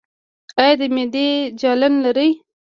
ایا د معدې جلن لرئ؟